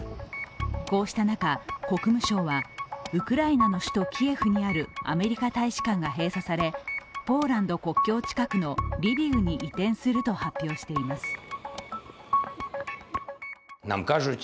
こうした中、国務省はウクライナの首都キエフにあるアメリカ大使館が閉鎖されポーランド国境近くのリビウに移転すると発表しています。